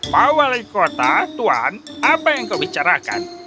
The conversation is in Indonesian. pak wali kota tuan apa yang kau bicarakan